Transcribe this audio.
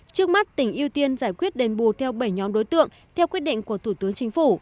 trước mắt tỉnh ưu tiên giải quyết đền bù theo bảy nhóm đối tượng theo quyết định của thủ tướng chính phủ